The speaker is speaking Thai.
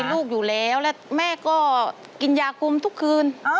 ลูกอยู่แล้วและแม่ก็กินยากุมทุกคืน